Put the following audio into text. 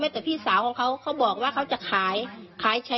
ทั้งแรกของพีช